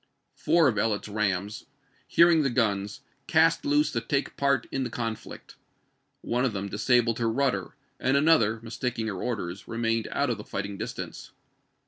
Four of Ellet's rams, hearing the guns, cast loose to take part in the conflict. One of them disabled her rudder, and another, mistaking her orders, remained out of fighting distance.